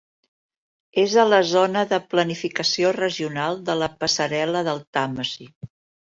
És a la zona de planificació regional de la Passarel·la del Tàmesi.